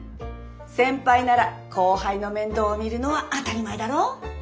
先輩なら後輩の面倒を見るのは当たり前だろ。